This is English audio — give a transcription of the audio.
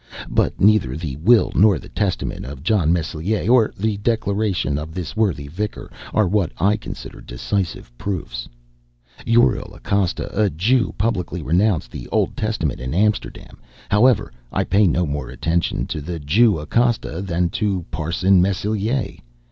But neither the will nor the testament of John Meslier, nor the declaration of this worthy Vicar, are what I consider decisive proofs. Uriel Acosta, a Jew, publicly renounced the Old Testament in Amsterdam; however, I pay no more attention to the Jew Acosta than to Parson Meslier.